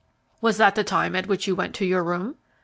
"Was that the time at which you went to your room?"